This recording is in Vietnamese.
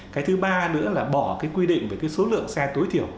cái thứ ba nữa là bỏ cái quy định về cái số lượng xe tối thiểu